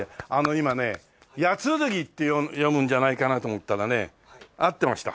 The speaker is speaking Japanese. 今ねやつるぎって読むんじゃないかなと思ったらね合ってました。